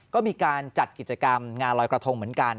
ก็มีการจัดกิจกรรมงานลอยกระทงเหมือนกัน